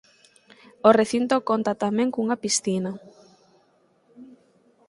O recinto conta tamén cunha piscina.